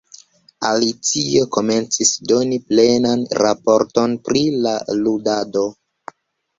Alicio komencis doni plenan raporton pri la ludado.